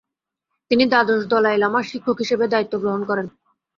তিনি দ্বাদশ দলাই লামার শিক্ষক হিসেবে দায়িত্ব গ্রহণ করেন।